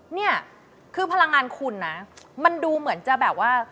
เนี่ยคือพลังงานคุณนะมันดูเหมือนจะแบบว่า